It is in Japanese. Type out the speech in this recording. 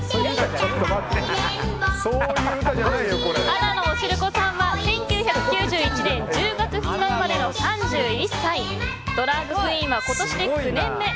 穴野をしる子さんは１９９１年１０月２日生まれの３１歳ドラァグクイーンは今年で９年目。